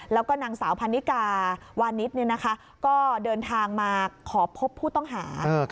แล้วก็นางสาวพันนิกาวานิสก็เดินทางมาขอพบผู้ต้องหา